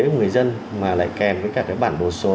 của người dân mà lại kèm với cả cái bản bổ số